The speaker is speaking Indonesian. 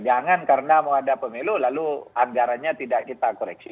jangan karena mau ada pemilu lalu anggarannya tidak kita koreksi